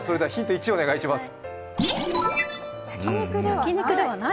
１お願いします。